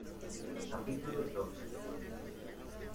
capítulo doce.